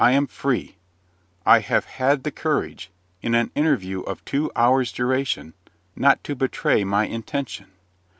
I am free. I have had the courage, in an interview of two hours' duration, not to betray my intention.